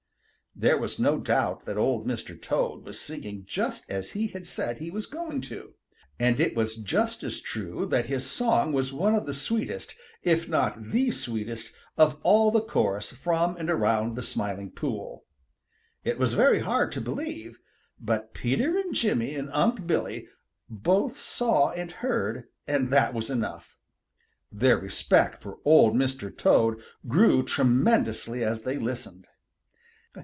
There was no doubt that Old Mr. Toad was singing just as he had said he was going to, and it was just as true that his song was one of the sweetest if not the sweetest of all the chorus from and around the Smiling Pool. It was very hard to believe, but Peter and Jimmy and Unc' Billy both saw and heard, and that was enough. Their respect for Old Mr. Toad grew tremendously as they listened.